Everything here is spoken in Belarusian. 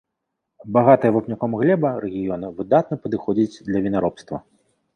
Багатая вапняком глеба рэгіёна выдатна падыходзіць для вінаробства.